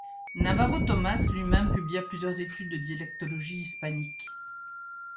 Navarro Tomás lui-même publia plusieurs études de dialectologie hispanique.